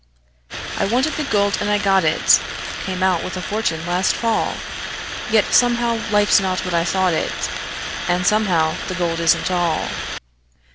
I wanted the gold, and I got it Came out with a fortune last fall, Yet somehow life's not what I thought it, And somehow the gold isn't all.